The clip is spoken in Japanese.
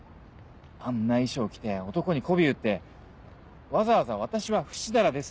あんな衣装を着て男に媚び売ってわざわざ「私はふしだらです」